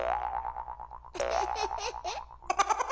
フフフフフ。